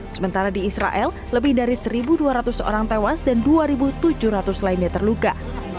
sementara di israel lebih dari satu dua ratus orang tewas dan dua tujuh ratus lainnya terluka